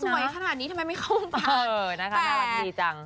สวยขนาดนี้ทำไมไม่เข้าพูดตา